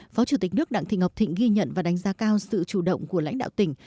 phó chủ tịch nước đặng thị ngọc thịnh ghi nhận và đánh giá cao sự chủ động của lãnh đạo tỉnh